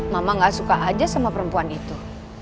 mama gak suka aja sama perempuan itu